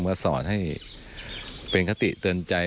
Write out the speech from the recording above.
มาสอนให้เป็นคติเตือนใจ